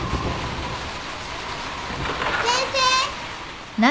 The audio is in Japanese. ・・先生！